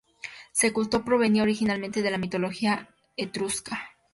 Su culto provenía originalmente de la mitología etrusca.